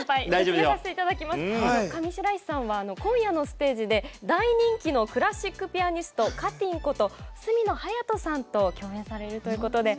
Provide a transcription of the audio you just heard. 上白石さんは今夜のステージで、大人気のクラシックピアニストＣａｔｅｅｎこと角野隼斗さんと共演されるということで。